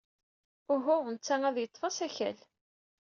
Uhu, netta ad yeḍḍef asakal.